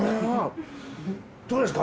どうですか？